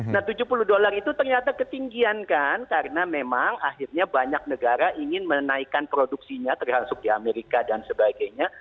nah tujuh puluh dolar itu ternyata ketinggian kan karena memang akhirnya banyak negara ingin menaikkan produksinya termasuk di amerika dan sebagainya